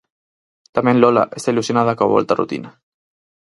Tamén Lola está ilusionada coa volta á rutina.